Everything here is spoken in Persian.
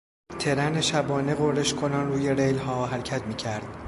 ترن شبانه غرش کنان روی ریلها حرکت میکرد.